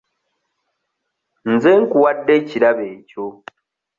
Nze nkuwadde ekirabo ekyo.